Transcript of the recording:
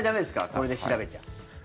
これで調べちゃ。